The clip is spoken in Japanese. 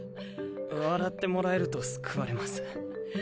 笑ってもらえると救われます。